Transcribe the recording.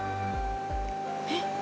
えっ？